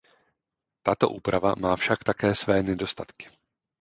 Tato úprava má však také své nedostatky.